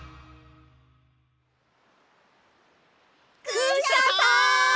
クシャさん！